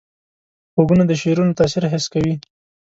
غوږونه د شعرونو تاثیر حس کوي